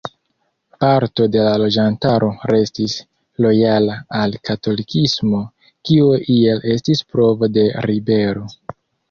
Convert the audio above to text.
Parto de la loĝantaro restis lojala al katolikismo, kio iel estis provo de ribelo.